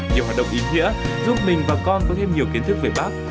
nhiều hoạt động ý nghĩa giúp mình và con có thêm nhiều kiến thức về bác